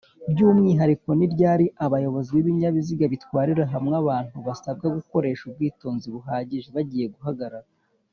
by’umwihariko Niryari abayobozi b’ibinyabiziga bitwarira hamwe abantu basabwa gukoresha ubwitonzi buhagije? bagiye guhagarara